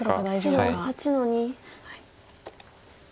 白８の二。